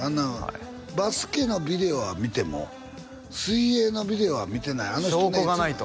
バスケのビデオは見ても水泳のビデオは見てない証拠がないと？